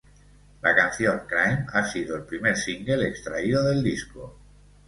La canción "Crime" ha sido el primer single extraído del disco.